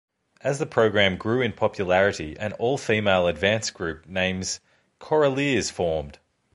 As the program grew in popularity, an all-female advanced group names Choraleers formed.